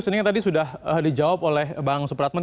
sepertinya tadi sudah dijawab oleh bang supratman